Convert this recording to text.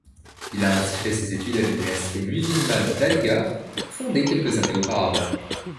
Il a ainsi fait ses études à l'Université musulmane d'Aligarh, fondée quelques années auparavant.